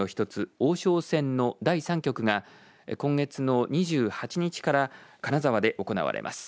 王将戦の第３局が今月の２８日から金沢で行われます。